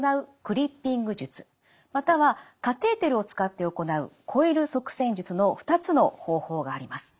またはカテーテルを使って行うコイル塞栓術の２つの方法があります。